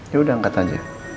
ya udah angkat aja